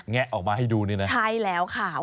แงะออกมาให้ดูนี่นะใช่แล้วค่ะ